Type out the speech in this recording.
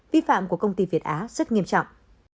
vi phạm của công ty việt á rất nghiêm trọng